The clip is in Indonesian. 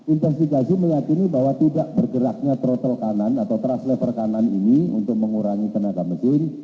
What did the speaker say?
investigasi meyakini bahwa tidak bergeraknya truss lever kanan ini untuk mengurangi tenaga mesin